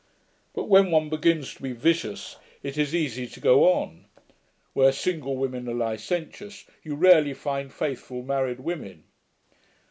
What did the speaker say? But when one begins to be vicious, it is easy to go on. Where single women are licentious, you rarely find faithful married women.'